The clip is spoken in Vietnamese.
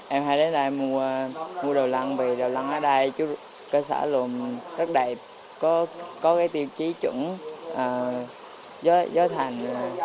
em hay đến đây mua đồ lăng vì đồ lăng ở đây cơ sở lùng rất đẹp có tiêu chí chuẩn gió thành